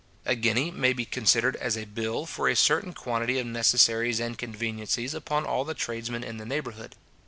A guinea may be considered as a bill for a certain quantity of necessaries and conveniencies upon all the tradesmen in the neighbourhood.